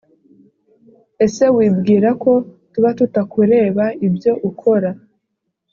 ese wibwira ko tubatutakureba ibyo ukora